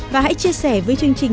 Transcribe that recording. và hãy chia sẻ với chương trình